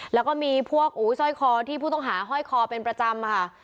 แล้วก็มีพวกสร้อยคอที่ผู้ต้องหาห้อยคอเป็นประจำค่ะ